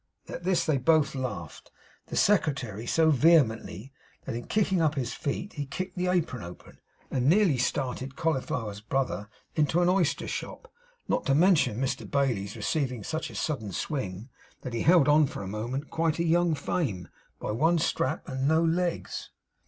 At this they both laughed; the secretary so vehemently, that in kicking up his feet, he kicked the apron open, and nearly started Cauliflower's brother into an oyster shop; not to mention Mr Bailey's receiving such a sudden swing, that he held on for a moment quite a young Fame, by one strap and no legs.